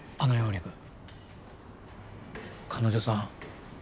陸彼女さん